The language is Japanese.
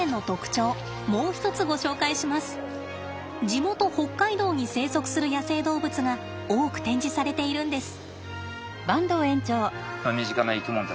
地元北海道に生息する野生動物が多く展示されているんです。